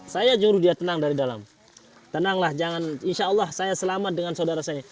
saya juru dia tenang dari dalam tenanglah jangan insya allah saya selamat dengan saudara saya